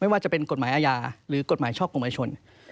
ว่าจะเป็นกฎหมายอาญาหรือกฎหมายช่อกงประชาชน